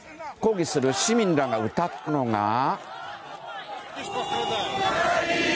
抗議する市民らが歌ったのが。